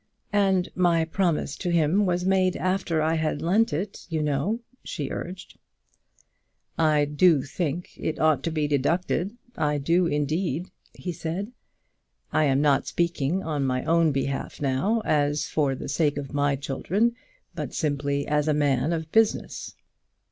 "And my promise to him was made after I had lent it, you know," she urged. "I do think it ought to be deducted; I do indeed," he said. "I am not speaking on my own behalf now, as for the sake of my children, but simply as a man of business.